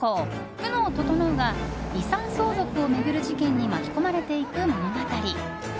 久能整が遺産相続を巡る事件に巻き込まれていく物語。